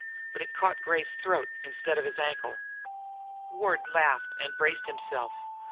But it caught Gray's throat instead of his ankle! Ward laughed and braced himself.